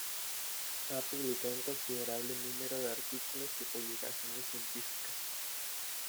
Ha publicado un considerable número de artículos y publicaciones científicas.